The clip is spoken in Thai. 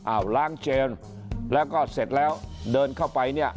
ล้างเจนแล้วก็เสร็จแล้วเดินเข้าไปเนี่ย